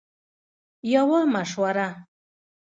- یوه مشوره 💡